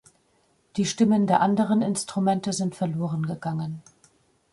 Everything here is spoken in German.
Die Stimmen der anderen Instrumente sind verloren gegangen.